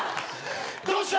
どうした！？